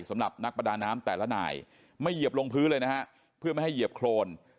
สำหรับนักประดาน้ำแต่ละนายไม่เหยียบลงพื้นเลยนะฮะเพื่อไม่ให้เหยียบโครน